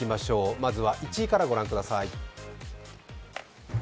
まずは１位からご覧ください。